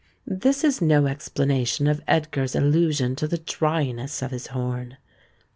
This is no explanation of Edgar's allusion to the dryness of his horn.